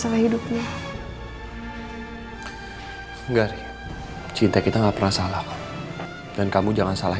kalau misalnya bapak banget